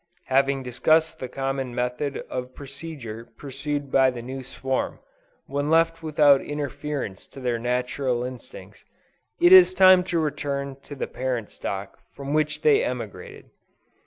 Having described the common method of procedure pursued by the new swarm, when left without interference to their natural instincts, it is time to return to the parent stock from which they emigrated.